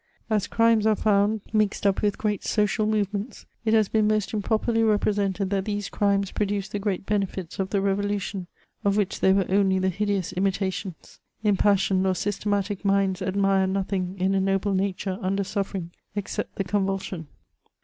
As crimes are found mixed up CHATEAUBBIAND. 323 with great social moyements, it has been most improperly represented that these crimes produced the great benefits of the revolution, of which they were only the hideous imitations ; impassioned or systematic minds admire nothing in a noble na ture under suffering except the convulsion.